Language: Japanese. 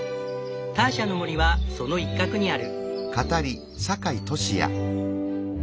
ターシャの森はその一角にある。